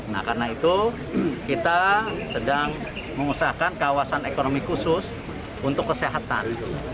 nah karena itu kita sedang mengusahakan kawasan ekonomi khusus untuk kesehatan